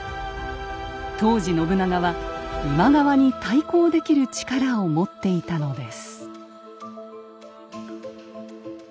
当時信長は今川に対抗できる力を持っていたのです。